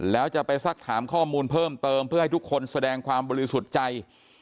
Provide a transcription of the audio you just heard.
แล้วจะไปสักถามข้อมูลเพิ่มเติมเพื่อให้ทุกคนแสดงความบริสุทธิ์ใจ